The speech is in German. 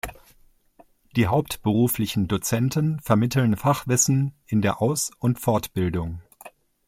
Die hauptberuflichen Dozenten vermitteln Fachwissen in der Aus- und Fortbildung.